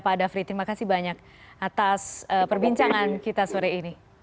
pak dhafri terima kasih banyak atas perbincangan kita sore ini